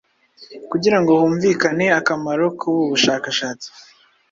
Kugira ngo humvikane akamaro k’ubu bushakashatsi